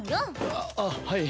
ああはい。